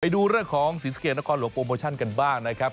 ดูเรื่องของศรีสะเกดนครหลวงโปรโมชั่นกันบ้างนะครับ